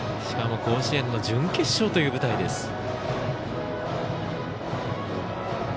しかも甲子園の準決勝という舞台です。